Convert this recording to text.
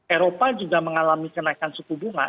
eropa juga mengalami kenaikan suku bunga